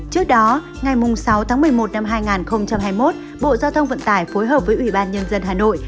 trước đó ngày sáu tháng một mươi một năm hai nghìn hai mươi một bộ giao thông vận tải phối hợp với ủy ban nhân dân hà nội